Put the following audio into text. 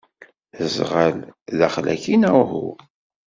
D aẓɣal daxel-ayyi, neɣ uhu?